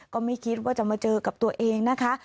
ก็ไม่คิดว่าจะมาเจอกับตัวเองนะคะ